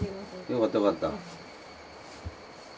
よかったよかった。